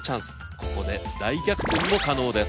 ここで大逆転も可能です。